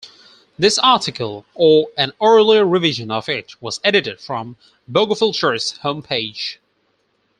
This article, or an earlier revision of it, was edited from bogofilter's homepage.